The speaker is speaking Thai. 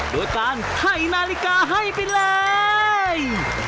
โดยการไถ่นาฬิกาให้ไปเลย